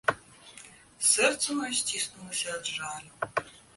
Сэрца маё сціснулася ад жалю.